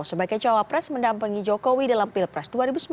sebagai jawa pres mendampangi jokowi dalam pilpres dua ribu sembilan belas